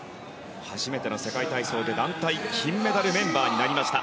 初めての世界体操で団体金メダルメンバーになりました。